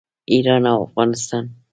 ایران او افغانستان.